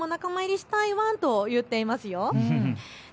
僕も仲間入りしたいワンと言っています。